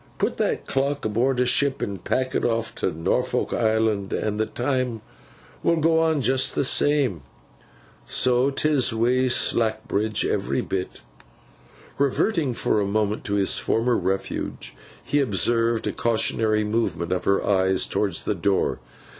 Put that clock aboard a ship an' pack it off to Norfolk Island, an' the time will go on just the same. So 'tis wi' Slackbridge every bit.' Reverting for a moment to his former refuge, he observed a cautionary movement of her eyes towards the door.